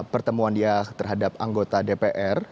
pertemuan dia terhadap anggota dpr